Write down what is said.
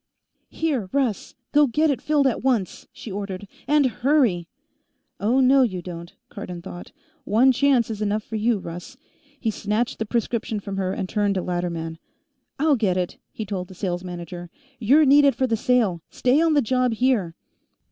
"Here, Russ; go get it filled at once," she ordered. "And hurry!" Oh, no, you don't, Cardon thought. One chance is enough for you, Russ. He snatched the prescription from her and turned to Latterman. "I'll get it," he told the sales manager. "You're needed for the sale; stay on the job here."